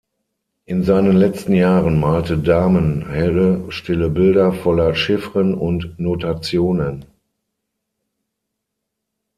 In seinen letzten Jahren malte Dahmen helle, stille Bilder voller Chiffren und Notationen.